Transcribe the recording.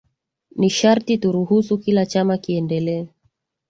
nisharti turuhusu kila chama kiendelee